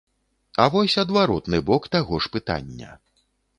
А вось адваротны бок таго ж пытання.